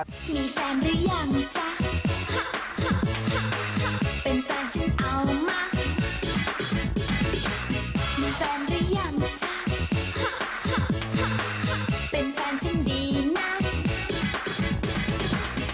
มีแฟนหรือยังจ๊ะเป็นแฟนฉันเอามามีแฟนหรือยังจ๊ะเป็นแฟนฉันดีนะ